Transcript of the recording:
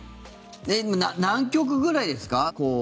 何局ぐらいですか？